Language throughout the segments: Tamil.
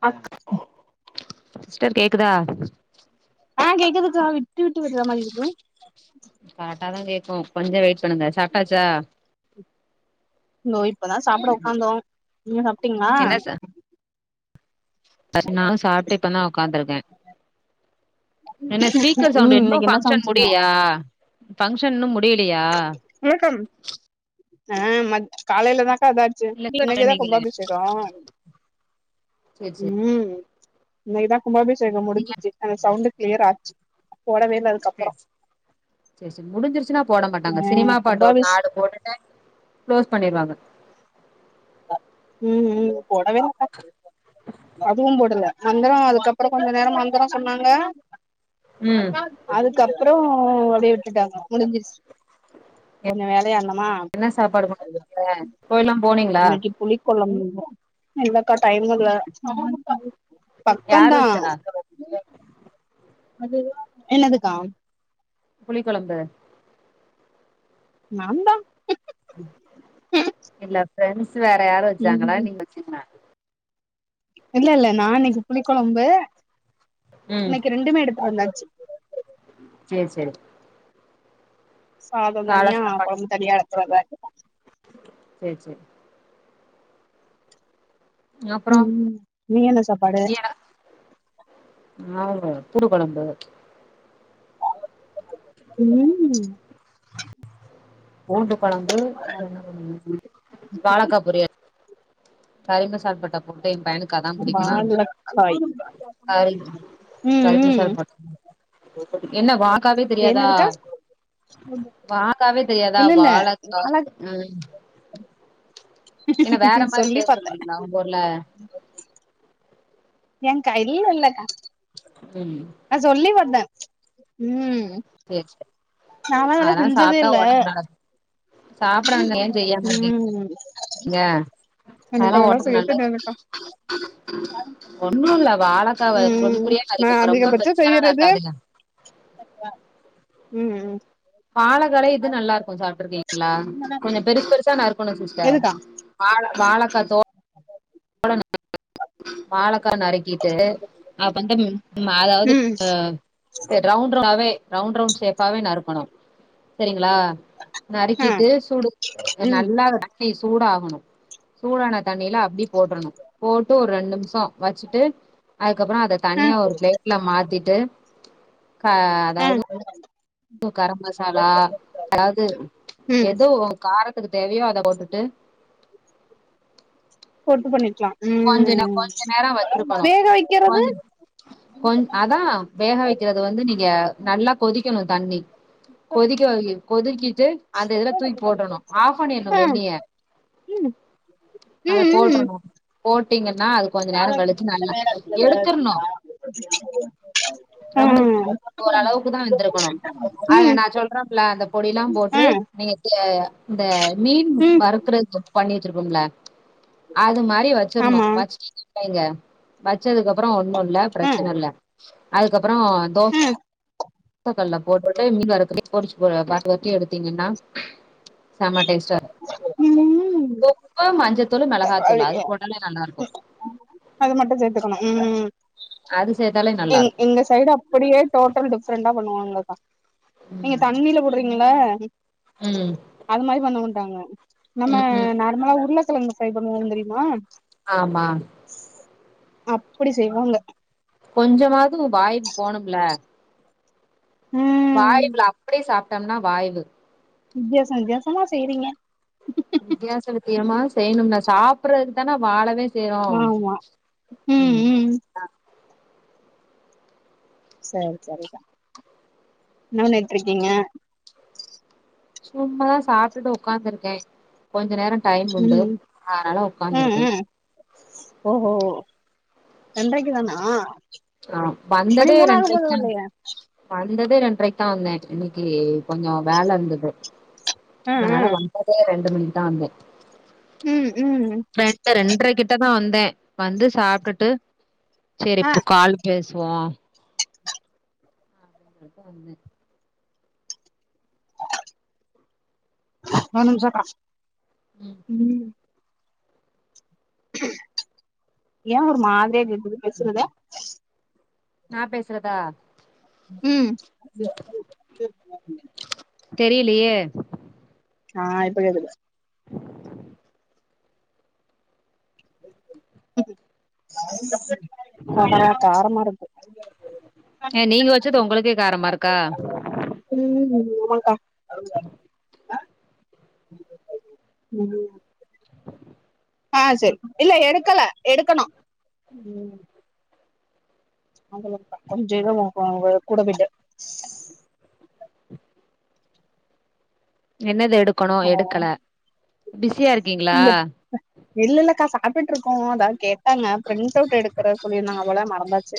அ சிஸ்டர் கேக்குதா கேக்துக்கா விட்டு விட்டு விட்டுற மாரி இருக்குல கரக்ட்டா தான் கேக்கு கொஞ்ச வெயிட் பண்ணுங்க சாப்டாச்சா நோ இப்பதா சாப்புட உக்காந்தோ நீங்க சாப்ட்டீங்களா தரி நா சாப்ட்டு இப்பநா உக்காந்துருக்கே என்ன ஸ்பீக்கர் சவுண்டு ம் இன்னும் இன்னைக்கு என்ன பஃங்க்ஷன் சமச்சீங்க முடிலையா ஆ பஃங்க்ஷன் இன்னு முடியலையா வணக்கம் ஆ ம காலைலதாங்கா இதா ச்சு இல்ல இன்னைக்குதா சொன்னீங்களே கும்பாபிஷேகம் சேரி சேரி ம் இன்னைக்குதா கும்பாபிஷேகம் முடிஞ்ச்சுச்சு அந்த சவுண்டு கிளியர் ஆச்சு போடவே இல்ல சேரி அதுக்கப்புறோ செரி செரி முடிஞ்சிருச்சுன்னா போட மாட்டாங்க ஆ சினிமா பாட்டு ஒரு கும்பாபிஷ் நாளு போட்டு ட்டு கிளோஸ் பண்ணிருவாங்க ம் ம் போடவே மாட்டா அதுவும் போடல மந்திரொ அதுக்கப்புறம் கொஞ்ச நேரம் மந்திரம் சொன்னாங்க ம் அதுக்கப்புறம் அப்டியே விட்டுட்டாங்க முடிஞ்சிருச்சு கொஞ்சம் வேலையாருந்தோமா போ எல்லாம் போனீங் இன்னைக்கு புளி கொழம்பு இல்லக்கா டைம் இல்ல பக்கம் யார் தா வச்சா என்னதுக்கா புளி கொழம்பு நான் தா இல்ல ப்ரெண்ட்ஸ் வேற யாரும் வச்சாங்களா ம் நீங்க வச்சிங்ளா இல்ல இல்ல நான் இன்னைக்கு புளி கொழம்பு ம் இன்னைக்கு ரெண்டுமே எடுத்து வந்தாச்சு சேர் சேரு சாதம் கால தனியா கொழம்பு தனியா எடுத்துறதா இரு சேர் சே அப்றம் ம் நீ என்ன சாப்பாடு யா ஆமா பூடு கொழம்பு ம் பூண்டு கொழம்பு வேற என்ன பண்ணுண வாழக்கா பொரியல் கரிமசால் பட்ட போட்டு என் பையனுக்கு அதான் பிடிக்குமா வாழக்காய் கரி ம் ம் கறிமசால் பட் என்ன வாக்காவே தெரியாதா என்னதுக்கா வாக்காவே தெரியாதா இல்ல இல்ல வாழக்கா அழ ம் என்ன வேற மாரி சொல்லி பேர் பாத்தே சொல்வீங்களா உங்க ஊர்ல எங்க்கா இல்ல இல்லக்கா ம் அ சொல்லி வந்தன் ம் சேர் சே நாலா அதெல்லா செஞ்சதே சாப்ட்டா இல்ல உடம்பு நல்லது சாப்ட்றாங்கல்ல ஏன் செய்யாம இருக்கீ ம் ங்க எனக்கு அதெல்லா உடம்புக்கு செய்ய நல்லது தெரியாதுக்கா ஒன்னும் இல்ல வாழக் காவ பொடி ம் பொடியா நா நறுக்கிகனு ரொம்ப அதிகபட்சோ பெருசா எல்லா செய்யறது நறுகாத்துங்க ம் ம் வாழகால இது நல்லா இருக்கும் சாப்ட்டுருக்கீங்களா கொஞ்சம் பெருசு பெருசா நறுக்கணும் சிஸ்டர் எதுக்கா வா வாழக்கத்தோ வாழக்கா நறுக்கிட்டு அப்பன்டு ம அதாவ்து ம் ரவுண் டாவே ரவுண்ட் ரவுண்ட் ஷேப்பாவே நறுக்கணும் செரிங்ளா ஆ நறுக்கிட்டு சூடு ஒரு ம் நல்லா வ ட்டி சூடாகணும் சூடான தண்ணியில அப்டி போட்டனு ட்டு ஒரு ரெண்டு நிமிஷொ வச்சுட்டு அதுக்கப்புறம் அத ஆ தனியா ஒரு பிளேட்ல மாத்திட்டு கா அதா ஆ உப்பு கர மசாலா அதாவது ம் எதோ காரத்துக்கு தேவையோ அத போட்டுட்டு போட்டு பண்ணிக்கலாம் கொஞ்ச ந கொஞ்ச நேரம் வச்சிருக்கணும் வைக்கிறது கொஞ்ச கொஞ் அதா வேக வைக்கிறது வந்து நீங்க நல்லா கொதிக்கணு தண்ணி கொதிக்க வை கொதிக்கிட்டு அந்த இதுல தூக்கி போட்டணும் ஆஃப் பண்ணிடணும் ஆ வெந்நிய ம் ம் அத ம் போட்றனு போட்டீங்கன்னா அ ரொம்ப ம் ஓரளவுக்கு தா வெந்திருக்கணு அதுல ம் நா சொல் அப்றோம்ப்ல அந்த பொடில்லா ஆ போட்டு நீங்க இந்த மீன் ம் வறுக்குறதுக்கு பண்ணி வச்சிருப்போம்ல அது மா ரி வச்சிர்ணு ஆமா வச் ங்க வச்சதுக்கப்றோ ஒன்னு இல்ல ஆ பிரச்சன இல்ல அதுக்கப்றோ தோ ஆ ச கல்ல போட்டுட்டு மீன் வறுக்க பொறிச்சு அ பெரட்டி பெரட்டி எடுத்தீங்கன்னா செம டேஸ்ட்டாரு ம் உப்பு மஞ்சத்தூள் மெளகாத்தூளு அது போட்டாலே நல்லாருக்கு அது மட்டு சேத்துக்கணு ம் அது சேத்தாலே நல்லா எங் இருக்கு எங்க சைடு அப்படியே டோட்டல் டிஃப்ரண்ட்டா பண்ணுவாங்க கா நீங்க ம் தண்ணில போட்றீங்கள ம் அது மாரி பண்ண மாட்டாங்க நம்ம ம் ம் நார்மலா உர்ளகெழங்கு ஃப்ரை பண்ணுவோ தெரிமா ஆமா அப்டி செய்வாங்க கொஞ்சமாவ்து வாய்வு போனும்ல ம் வாய்வுல அப்டியே சாப்ட்டம்னா வாய்வு வித்தியாச வித்தியாசமா செய்றீங்க வித்தியாச வித்தயமா செய்ணும்னா சாப்பறதுக்கு தான வாழவே செய்றோ ஆமா ம் சேரி செரி கா என்ன பண்ணிட்ருக்கீங்க சும்மாதா சாப்ட்டுட்டு ஒக்காந்துருக்கே கொஞ்ச நேரோ டைம் உண்டு ம் ஆனால ம் ஒக்காந்துருக்கே ம் ஓஹோ ரெண்றைக்கு தானா ஆ மணி வந்ததே மூணாக ரெண்றைக்கு போது தா இல்லையா வந்ததே ரெண்றைக்கு தா வந்தே இன்னக்கி கொஞ்சொ வேலருந்தது ம் அதனால வந் ததே ரெண்டு மணிக்கி தா வந்தே ம் ம் ம் ரெண்டு ரெண்றைக்கி கிட்டக்க வந்தே வந்து சாப்ட்டுட்டு செரி ஆ இப்ப கால் பேசுவோ [inaudible] வந்தே ஒர் நிம்ஷோ கா ம் ஏ ஒரு மாதிரியா கேக்குது பேசுறது நா பேசறதா ம் தெரிலியே ஆ இப்ப கேக்குது சாப்பாடு காரமாருக்கு ஏ நீங்க வச்சது ஒங்களுக்கே காரமாருக்கா ஆமாக்கா [inaudible] ஆஹ் செரி இல்ல எடுக்கல எடுக்கணும் அதுலன்ப்பா கொஞ்சொ எதோ கூட போய்ட்டு என்னது எடுக்கணு ஆ எடுக்கல பிஸியாருக்கீங்ளா இல்லல்லக்கா சாப்ட்டுட்ருக்கோ அதா கேட்டாங்க ப்ரிண்டவுட் எடுக்ற சொல்லிருந்தாங்க போல மறந்தாச்சு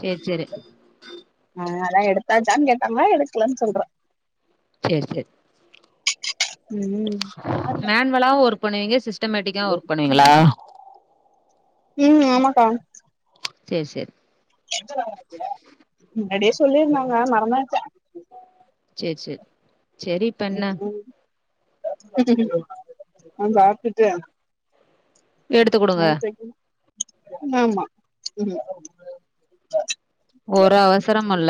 சேரி சேரி ஆ அதா‌ எடுத்தாச்சான் கேட்டாங்க எடுக்கலன் சொல்றே சேரி சேர் ம் மேன்னுவலா ஒர்க் பண்ணுவீங்க சிஸ்டமேட்டிக்கா ஒர்க் பண்ணுவீங்களா ம் ஆமாக்கா சேரி சேரி முன்னாடியே சொல்லிருந்தாங்க மறந்தாச்சே சேர் சேர் ஆ பாத்துட்ட எடுத்து குடுங்க [unintelligible] ஆமா ம் ஒரு அவசரம் அல்ல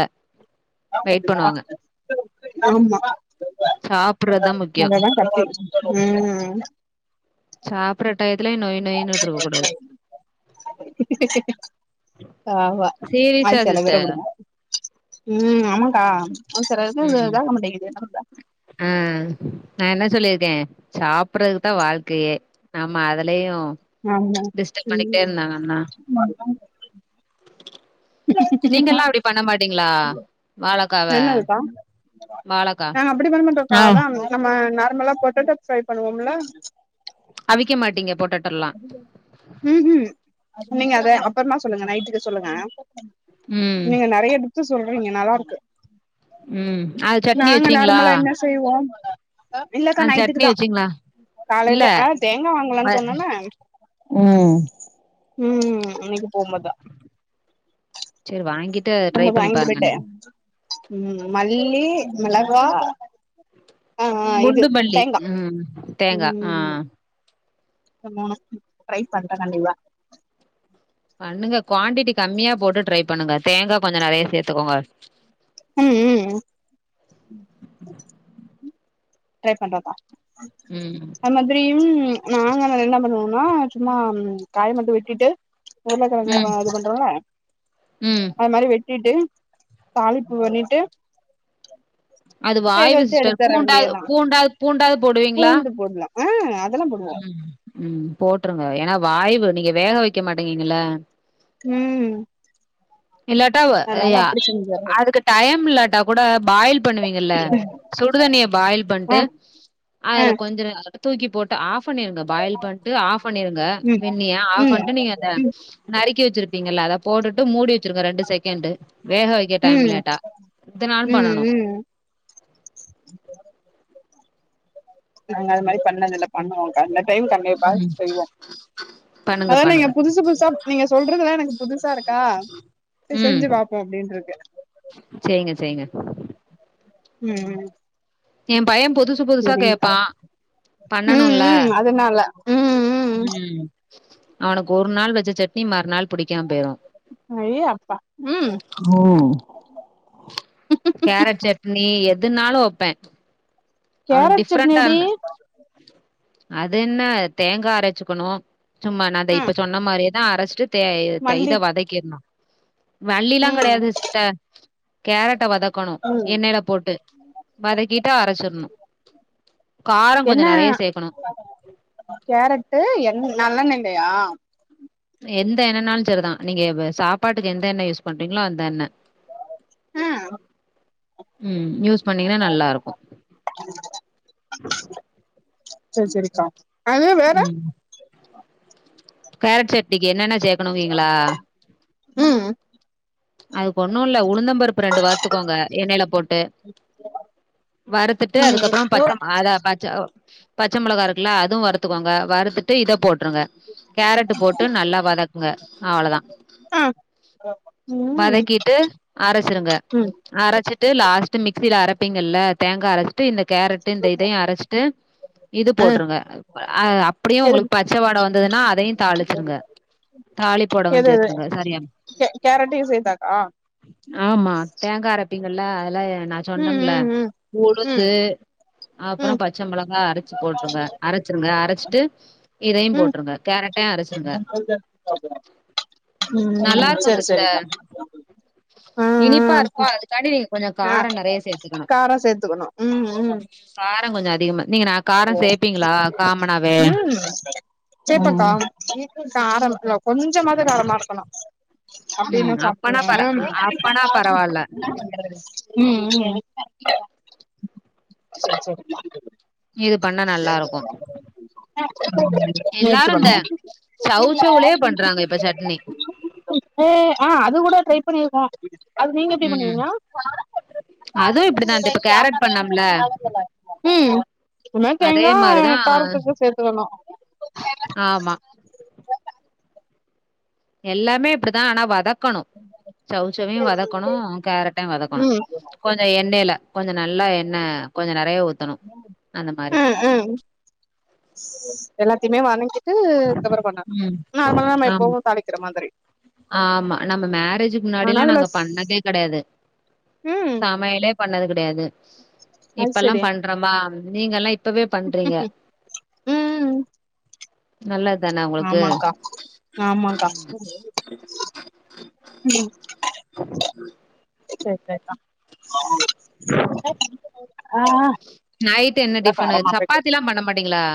ஆமா சாப்ற்றதா முக்கியம் அததா ம் சாப்பறடயத்துலையு நொய் நொய்யின்னுட்டு இருக்ககூடாது ஆமா சீரியஸா அது செலபேர் சிஸ்டர் அப்டிதா ம் ஆமாக்கா அவசர இதுக்கு இதாகமாட்டிங்குது நமக்கு ம் நான் என்ன சொல்லியிருக்கேன் சாப்பறதுக்கு தான் வாழ்க்கயே ஆமா அதுலையும் ஆமா டிஸ்டர்ப் பண்ணிட்டே ம் இருந்தாங்க எல்லா [unintelligible] நீங்கல்லாம் அப்டி பண்ண மாட்டீங்களா வாழக்காவ என்னதுக்கா வாழக்கா நாங்க அப்டி பண்ண மாட்டோக்கா ஆ அதா நம்ம நார்மலா பொட்டோடோ ஃப்ரை பண்ணுவோம்ல்ல அவிக்க மாட்டீங்க பொட்ட ஹம் ஹம் நீங்க அத அப்றமா சொல்லுங்க நைட்டுக்கு சொல்லுங்க ம் நீங்க நெறைய டிப்ஸ்ஸு சொல்றீங்க நல்லாருக்கு ம் அது சட்னி நாங்க வச்சீங்களா நார்மலா என்ன செய்வோம் இல்லக்கா ஆ நைட்டுக்கு சட்னி தான் வச்சீங்களா இல்ல காலைல ஆ தேங்காய் வ வாங்கலானு சொன்னல்ல ம் ம் அன்னைக்கு போம்போதா செரி வாங்கிட் போம்போது வாங்கிட்டு போய்ட்டு ம் மல்லி மெளகா ஆ ஆ இது குண்டு மல்லி தேங்கா ம் தேங்கா ஆ ம் இந்த மூனு டிரை பண்றே கண்டிப்பா பண்ணுங்க குவாண்ட்டிட்டி கம்மியா போட்டு டிரை பண்ணுங்க தேங்கா கொஞ்சம் நெறையா சேத்துக்கோங்க ம் ம் ட்ரை பண்றகா ம் த்ரியும் நாங்க அதுல என்னா பண்ணுவோம்னா சும்மா காய் மட்டும் வெட்டிட்டு உருளகெழங்கு ம் இது பன்றோல்ல ம் அதுமாறி வெட்டிட்டு தாளிப்பூ பண்ணிட்டு அது வேக வாய்வு வச்சு சிஸ்டர் எடுத்துற பூண்டாவது வேண்டியதுதா பூண்டாவது பூண்டாவது போடுவீங்களா பூண்டு போடலா ஆ அதெல்லா போடுவோ ம் போட்ருங்க ஏன்னா வாய்வு நீங்க வேக வைக்க மாட்டீங்கல்ல ம் இல்லாட்டா அதனால ஐயா அப்டி செஞ்சர்றது அதுக்கு டைம் இல்லாட்டா கூட பாயில் பண்ணுவீங்கல்ல சுடுதண்ணிய பாயில் பண்ணிட்டு ஆ ஆ அதுல கொஞ்சம் தூக்கி போட்டு ஆஃப் பண்ணிருங்க பாயில் பண்ணிட்டு ஆஃப் பண்ணிருங்க ம் வெண்ணிய ஆஃப் ம் பண்ணிட்டு ம் நீங்க அத நறுக்கி வச்சிருப்பீங்கல்ல அத போட்டுட்டு மூடி வச்சுருங்க ரெண்டு செகண்ட் வேக வைக்க டைம் ம் இல்லாட்டா இதனாலும் ம் பண்ணனும் ம் நாங்க அது மாரி பண்ணதுதில்ல பண்ணுவோம் கா செய்வோம் கண்டிப்பாக ம். செய்வோம் பண்ணுங்க அதான் நீங்க பண்ணுங்க. புதுசு புதுசா நீங்க சொல்றதுல எனக்கு புதுசா இருக்கா செர் ம். செஞ்சு பாப்போம் அப்பிடின்றுக்கே செய்ங்க செய்ங்க ம் ம் ஏ பைய புதுசு புதுசா செரிங்க்கா கேப்பா ம் பண்ணணுல்ல ம் அதனால ம் ம் அவனுக்கு ஒரு நாள் வச்ச சட்னி மற்நாள் புடிக்காம பேய்ரு ஐய அப்பா ம் கேரட் சட்னி எதுனாலு வெப்பே அவனுக்கு கேரட் சட்னி எப்டி டிஃப்ரெண்டாருந்த அதென்ன தேங்காய் அரைச்சுக்கணு சும்மா ந தே இப்ப ம் சொன்ன மாதிரியேதா அரச்சாட்டு தே தை மல்லி இத வதைக்கிடணு வள்ளிலா ம் கெடையாது சிஸ்டர் கேரட்ட வதக் கணு ம் எண்ணெயில போட்டு வதக்கிட்டா அரைச்சிர்ணு என்ன சேக்கணு கேரட்டு் என் நல்லெண்ய்லயா எந்த என்னென்னாலு செரிதா நீங்க சாப்பாட்டுக்கு எந்த என்ன யூஸ் பண்றீங்களா அந்த என்ன ம் ம் யூஸ் பண்ணீங்கன்னா நல்லாருக்கு செரி செரிக்கா அது வேற ம் கேரட் சடனிக்கு என்னென்ன சேக்கணு வீங்களா ம் அதுக்கு ஒண்ணுல்ல உளுந்தம்பருப்பு ரெண்டு வரத்துக்கோங்க எண்ணெயில போட்டு வறுத்துட்டு ம் அதுக்கப்புறோ பச்சை அத பச்ச பச்ச மொளகா இருக்குள்ள அது வறுத்துக்கோங்க வறுத்துட்டு இத போட்டுருங்க கேரட் போட்டு நல்லா வதக்குங்க அவ்ளோதா ஆ வதக்கிட்டு அரைச்சிருங்க ம் அரைச்சிட்டு லாஸ்ட் மிக்சியில அரைப்பிங்கல்ல தேங்காய் அரைச்சிட்டு இந்த கேரட்டு் இந்த இதையு அரைச்சிட்டு இது ஆ போட்டருங்க அப்டியு எது உங்களுக்கு பச்ச வாட வந்ததுன்னா அதையு தாளிச்சுருங்க தாளி போடவ எது எது சேத்துருங்க சரியம் கே கேரட்டையு சேத்தாக்கா ஆமா தேங்காய் அரைப்பீங்கல்ல அதெல்லா நா ம் சொன்னேம்ல ம் ம் ம் உளுந்து அப்புறோ ம் பச்ச மொளகா அரைச்சு போட்டுருங்க அரைச் சுறுங்க அரைச்சிட்டு இதையு ம் போட்டுருங்க கேரட்ட அரைச்சி ம் நல்லாருக்கும் சரி சரிக்கா சிஸ்டர் ஆ இனிப்பாருக்கு அதுக்காண்டி நீங்க கொஞ்சோ ஆ காரோ நெறைய சேத்து காரோ சேத்துக்கணு ம் ம் காரோ கொஞ்சோ அதிகமா நீங்க நா காரோ சேரப்பீங்ளா காமனாவே ம் எனக்கு சாரமத்துல்ல கொஞ்சமாது காரமாருக்கணு ம் அப்டியனா அப்பனா சாப்டுவே பர அப்பனா பரவால்ல ம் ம் செரி செரி இது பண்ணா நல்லா இருக்கு முயற்ச்சி பண்றே சவுச்சவுளயே பண்றாங்க இப்ப சட்னி இப்ப ஆ அது கூட ட்ரை பண்ணிருக்கோ அது நீங்க எப்டி ம் பண்ணுவீங்க அதுவு இப்டிதா இந்த இப்ப கேரட் பண்ணம்ல ம் சும்மா அதே தேங்கா மாரிதா காரத்துக்கு சேத்துக்கணு ஆமா எல்லாமே அப்படிதா ஆனா வா தக்கணு சௌச்சவையு வதக்கணு கேரட்டையு வதக்கணு ம் கொஞ்சோ எண்ணெயில கொஞ்சோ நல்லா எண்ணெய் கொஞ்சோ நறையா ஊத்தணு அந்த மாரி ம் ம் எல்லாத்தையுமே வதக் கிட்டு [unintelligible] பண்ணணு ம் நார்மலா நம்ம ஆமா எப்பவு தாளிக்கிற மாதிரி ஆமா நம்ம மேரேஜக்கு ஆனா முன்னாடியேல்லா அதுல நாங்க பண்ணதே கெடையாது ம் சமையலே பண்ணது கிடையாது அது இப்பெ எல்லா சரி பண்றவா நீங்க எல்லா இப்பவே பண்றீங்க உம் நல்லது தான உங்களுக்கு ஆமாக்கா ஆமாக்கா ம் சேரி சேரிதா ஆஹ் நைட் என்ன டிஃபன்னு சப்பாத்திலா பண்ண மாட்டீங்களா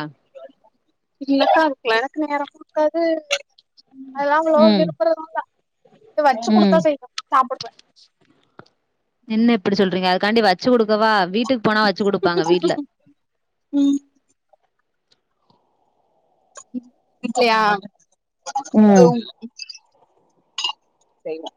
இல்லக்கா அந்த அளவுக்கு நேரமு இருக்காது அதல அவங்களோட ம் விருப்புறதொங்க அத வச்சு ம் கொடுத்தா செய்வ சாப்பிடுவே என்ன இப்டி சொல்றீங்க அதுக்காண்டி வச்சு கொடுக்கவா வீட்டுக்கு போனா வச்சு கொடுப்பாங்க வீட்டுல இப்பய ம் செய்வோ